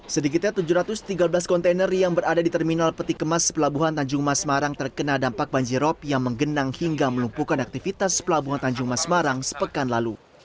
sedikitnya tujuh ratus tiga belas kontainer yang berada di terminal peti kemas pelabuhan tanjung mas semarang terkena dampak banjirop yang menggenang hingga melumpuhkan aktivitas pelabuhan tanjung mas semarang sepekan lalu